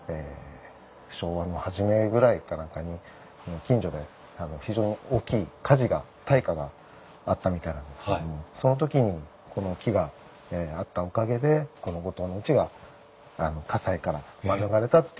昭和の初めぐらいか何かに近所で非常に大きい火事が大火があったみたいなんですけどその時にこの木があったおかげでこの後藤のうちが火災から免れたっていう。